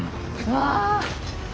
うわ！